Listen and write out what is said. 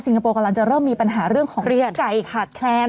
คโปร์กำลังจะเริ่มมีปัญหาเรื่องของไก่ขาดแคลน